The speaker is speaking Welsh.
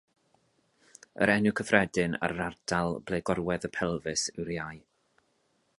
Yr enw cyffredin ar yr ardal ble gorwedd y pelfis yw'r iau.